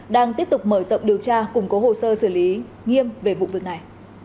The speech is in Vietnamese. đang tiếp tục mở rộng điều tra củng cố hồ sơ xử lý nghiêm về vụ việc này